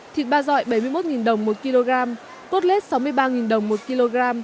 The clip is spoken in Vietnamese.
thịt ba dọi bảy mươi một đồng một kg cốt lết sáu mươi ba đồng một kg